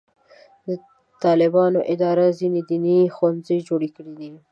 د طالبانو اداره ځینې دیني ښوونځي جوړ کړي دي.